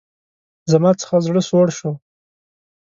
زما څخه زړه سوړ شو.